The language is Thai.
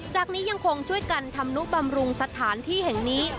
จากนี้ยังคงช่วยกันทำนุบำรุงสถานที่แห่งนี้